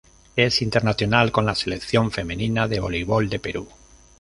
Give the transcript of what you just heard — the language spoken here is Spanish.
Es internacional con la Selección femenina de voleibol de Perú.